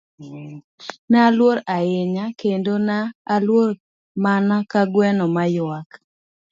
Ne aluor ahinya, kendo ne aluor mana ka gweno ma ywak.